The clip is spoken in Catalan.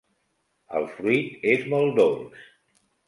El fruit és molt dolç.